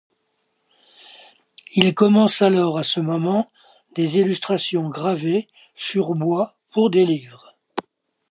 Il commence alors à ce moment des illustrations gravées sur bois pour des livres.